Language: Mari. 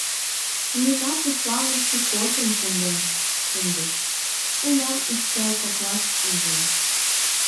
Нина пушланыше кофем конден шындыш, унам ӱстел коклаш ӱжӧ.